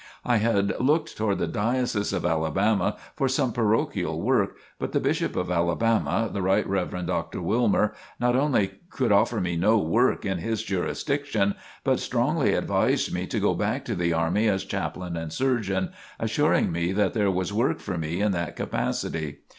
I had looked toward the Diocese of Alabama for some parochial work, but the Bishop of Alabama, the Rt. Rev. Dr. Wilmer, not only could offer me no work in his jurisdiction, but strongly advised me to go back to the army as chaplain and surgeon, assuring me that there was work for me in that capacity.